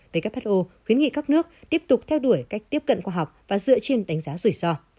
who khuyến nghị các nước tiếp tục theo đuổi cách tiếp cận khoa học và dựa trên đánh giá rủi ro